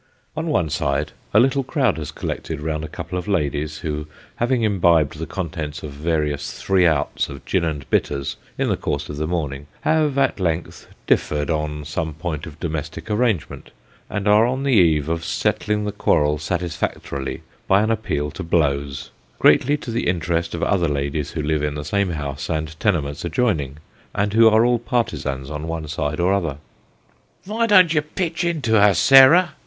On one side, a little crowd has collected round a couple of ladies, who having imbibed the contents of various " three outs " of gin and bitters in the course of the morning, have at length differed on some point of domestic arrangement, and are on the eve of settling the quarrel satisfactorily, by an appeal to blows, greatly to the interest of other ladies who live in the same house, and tenements adjoining, and who are all partisans on one side or other. " Vy don't you pitch into her, Sarah